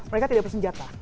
mereka tidak bersenjata